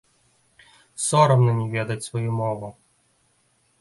Сорамна не ведаць сваю мову!